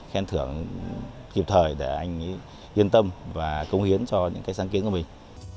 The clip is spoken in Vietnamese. khen thưởng kịp thời để anh yên tâm và công hiến cho những sáng kiến của mình